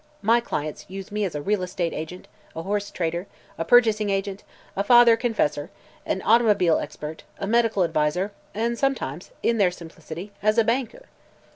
My clients use me as a real estate agent, a horse trader, a purchasing agent, a father confessor, an automobile expert, a medical adviser, and sometimes in their simplicity as a banker!"